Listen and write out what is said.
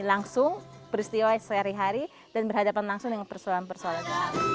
langsung peristiwa sehari hari dan berhadapan langsung dengan persoalan persoalan